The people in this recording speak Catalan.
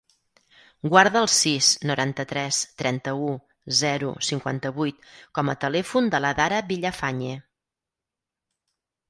Guarda el sis, noranta-tres, trenta-u, zero, cinquanta-vuit com a telèfon de l'Adara Villafañe.